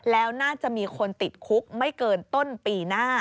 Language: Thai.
แล้วน่าจะมีคนติดคุกไม่เกินต้นปีหน้า